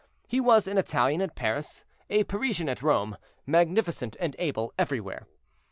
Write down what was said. He was an Italian at Paris, a Parisian at Rome, magnificent and able everywhere.